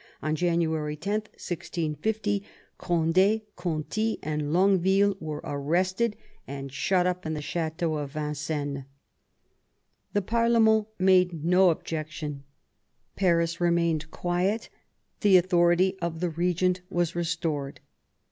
On January 10, 1650, Cond^, Conti, and Longueville were arrested and shut up in the chateau of Vincennes. The parlement made no objection, Paris remained quiet, the authority of the regent was restored.